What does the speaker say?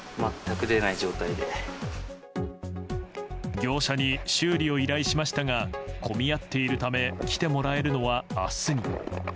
業者に修理を依頼しましたが混み合っているため来てもらえるのは明日に。